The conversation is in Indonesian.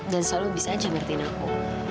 dan selalu bisa aja ngertiin aku